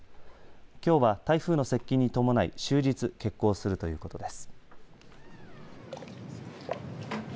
きょうは台風の接近に伴い終日欠航するということです。